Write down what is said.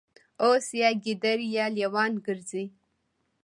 اوس یا ګیدړې یا لېوان ګرځي